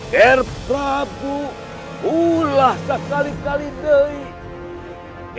ger prabu ulaa sekali kali dek